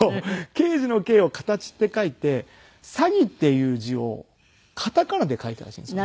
刑事の「刑」を「形」って書いて「詐欺」っていう字を片仮名で書いたらしいんですよね。